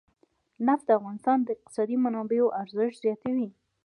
نفت د افغانستان د اقتصادي منابعو ارزښت زیاتوي.